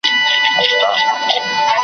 راغی دې مجلس ته، بېرته لاړلو ډک زړه